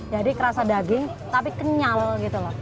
jadi kerasa daging tapi kenyal gitu loh